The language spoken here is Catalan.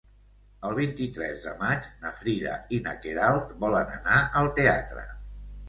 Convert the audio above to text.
El vint-i-tres de maig na Frida i na Queralt volen anar al teatre.